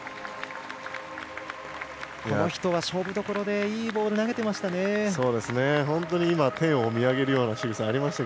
この人は勝負どころでいいボール、投げてました。